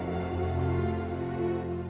pokoknya kamu harus nurut sama aku